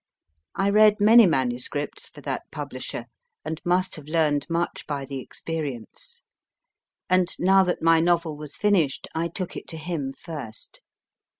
I read many manuscripts for that publisher, and must have learned much by the experience. And now that my novel was finished I took it to him first.